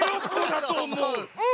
うん。